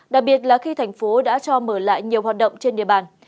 đặc biệt là khi thành phố đã cho mở lại nhiều hoạt động trên địa bàn